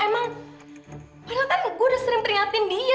emang karena kan gue udah sering teringatin dia